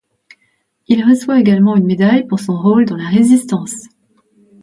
Il reçoit également une médaille pour son rôle dans la Résistance.